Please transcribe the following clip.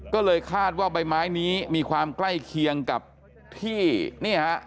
ก็เลยคาดว่าใบไม้นี้มีความใกล้เคียงกับที่นี่ฮะ